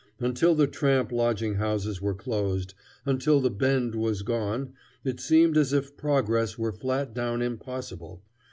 Until the tramp lodging houses were closed, until the Bend was gone, it seemed as if progress were flat down impossible.